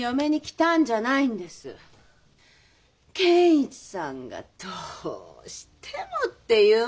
健一さんがどうしてもって言うもんで。